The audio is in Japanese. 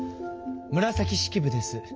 紫式部です。